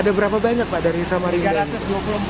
ada berapa banyak pak dari samarinda